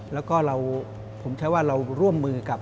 แล้วก็ผมใช้ว่าเราร่วมมือกับ